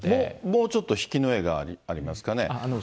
もうちょっと引きの絵がありますかね。